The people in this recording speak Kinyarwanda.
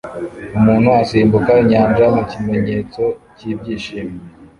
Umuntu asimbuka inyanja mu kimenyetso cy'ibyishimo!